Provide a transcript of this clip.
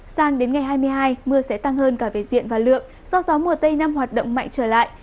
sang đến ngày hai mươi hai mưa sẽ tăng hơn cả về diện và lượng do gió mùa tây nam hoạt động mạnh trở lại